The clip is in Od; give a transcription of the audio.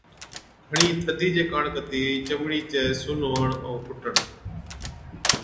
گھڻِي ٿڌِي چي ڪاڻ ڪتِي چمڙِي چَي سُن هُوَڻ ائُون ڦُٽڻ Frostbite and Chilblains